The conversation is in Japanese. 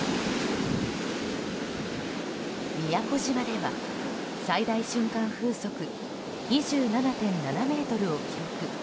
宮古島では最大瞬間風速２７．７メートルを記録。